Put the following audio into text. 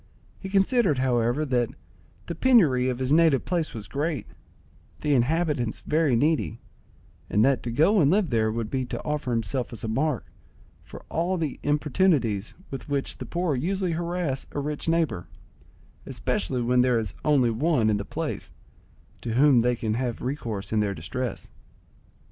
He considered, however, that the penury of his native place was great, the inhabitants very needy, and that to go and live there would be to offer himself as a mark for all the importunities with which the poor usually harass a rich neighbour, especially when there is only one in the place to whom they can have recourse in their distress.